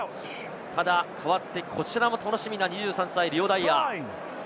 ただ代わってこちらも楽しみな２３歳、リオ・ダイアー。